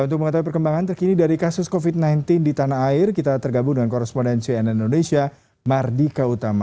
untuk mengetahui perkembangan terkini dari kasus covid sembilan belas di tanah air kita tergabung dengan korespondensi nn indonesia mardika utama